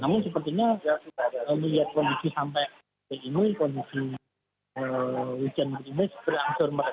namun sepertinya melihat kondisi sampai ke ini kondisi hujan ini beransur meresah